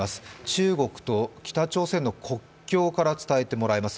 中国と北朝鮮の国境から伝えてもらいます。